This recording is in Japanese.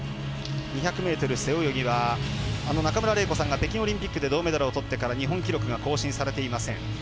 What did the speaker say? ２００ｍ背泳ぎは中村礼子さんが北京オリンピックで銅メダルをとってから日本記録が更新されていません。